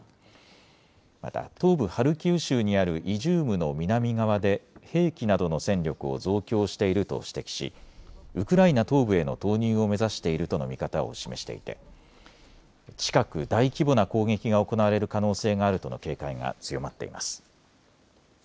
また東部ハルキウ州にあるイジュームの南側で兵器などの戦力を増強していると指摘しウクライナ東部への投入を目指しているとの見方を示していて近く大規模な攻撃が行われる可能性があるとの警戒が強まっています。